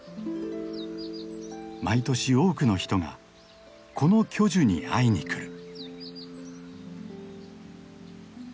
毎年多くの人がこの巨樹に会いにくる。